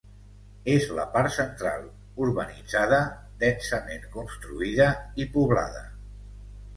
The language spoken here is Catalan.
És la part central, urbanitzada, densament construïda i poblada.